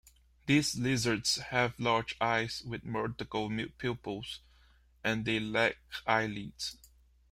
These lizards have large eyes with vertical pupils, and they lack eyelids.